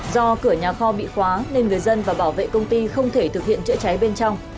do cửa nhà kho bị khóa nên người dân và bảo vệ công ty không thể thực hiện chữa cháy bên trong